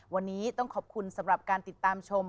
วันนี้ต้องขอบคุณสำหรับการติดตามชม